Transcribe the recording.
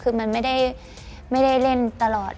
คือมันไม่ได้เล่นตลอด